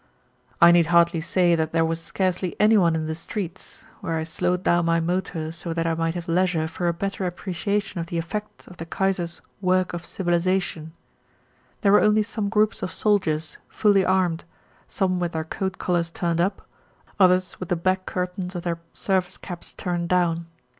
I need hardly say that there was scarcely anyone in the streets, where I slowed down my motor so that I might have leisure for a better appreciation of the effects of the Kaiser's "work of civilisation"; there were only some groups of soldiers, fully armed, some with their coat collars turned up, others with the back curtains of their service caps turned down.